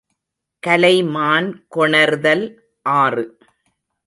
கலைமான் கொணர்தல் ஆறு.